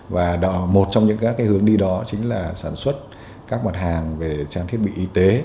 và một trong những các hướng đi đó chính là sản xuất các mặt hàng về trang thiết bị y tế